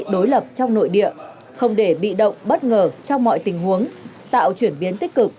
đối lập trong nội địa không để bị động bất ngờ trong mọi tình huống tạo chuyển biến tích cực